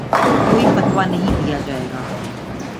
کوئی فتویٰ نہیں دیا جائے گا